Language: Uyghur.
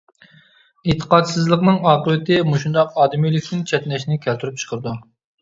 ئېتىقادسىزلىقنىڭ ئاقىۋىتى مۇشۇنداق ئادىمىيلىكتىن چەتنەشنى كەلتۈرۈپ چىقىرىدۇ!